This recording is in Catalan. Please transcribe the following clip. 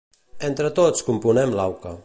Entre tots componem l'auca.